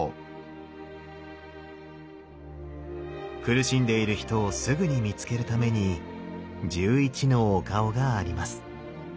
苦しんでいる人をすぐに見つけるために１１のお顔があります。